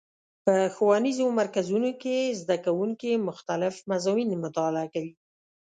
په ښوونیزو مرکزونو کې زدهکوونکي مختلف مضامین مطالعه کوي.